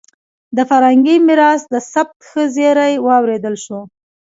د فرهنګي میراث د ثبت ښه زېری واورېدل شو.